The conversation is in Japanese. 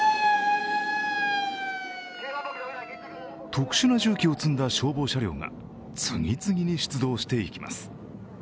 特殊な重機を積んだ消防車両が次々に出動していきます。